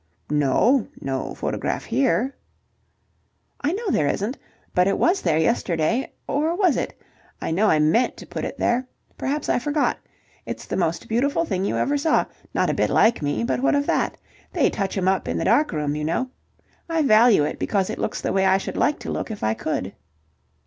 "No. No photograph here." "I know there isn't. But it was there yesterday. Or was it? I know I meant to put it there. Perhaps I forgot. It's the most beautiful thing you ever saw. Not a bit like me; but what of that? They touch 'em up in the dark room, you know. I value it because it looks the way I should like to look if I could."